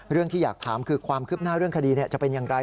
ที่อยากถามคือความคืบหน้าเรื่องคดีจะเป็นอย่างไร